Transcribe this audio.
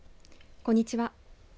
こんにちは。